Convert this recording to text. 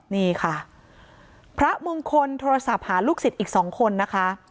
นี่ค่ะพระมงคลโทรศัพท์หาลูกศิษย์อีกสองคนนะคะ